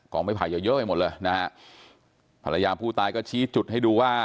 ไม่ไผ่เยอะเยอะไปหมดเลยนะฮะภรรยาผู้ตายก็ชี้จุดให้ดูว่า